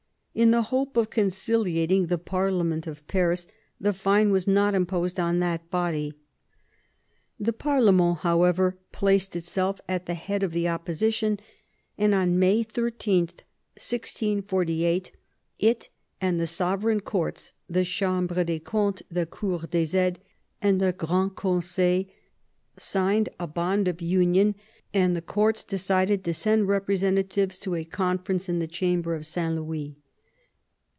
In the hope of conciliating the parlement of Paris, the fine was not imposed on that body. The parlemerU, however, placed itself at the head of the opposition, and on May 13, 1648, it and the Sovereign Courts (the Chambre des CompteSy the Cmr des Aides, and the Grand Conseil) signed a bond of union, and the courts decided to send repre sentatives to a conference in the Chamber of St. Louis.